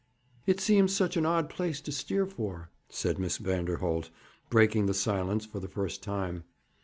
'It seems such an odd place to steer for,' said Miss Vanderholt, breaking the silence for the first time.